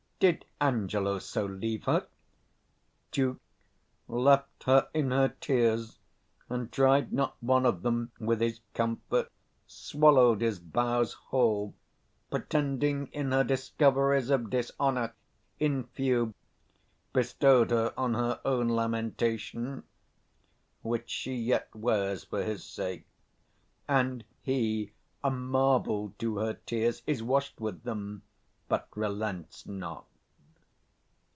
did Angelo so leave her? Duke. Left her in her tears, and dried not one of them 215 with his comfort; swallowed his vows whole, pretending in her discoveries of dishonour: in few, bestowed her on her own lamentation, which she yet wears for his sake; and he, a marble to her tears, is washed with them, but relents not.